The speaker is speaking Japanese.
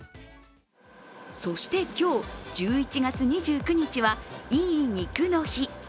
そして、今日１１月２９日はいい肉の日。